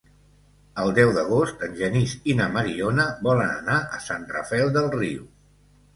El deu d'agost en Genís i na Mariona volen anar a Sant Rafel del Riu.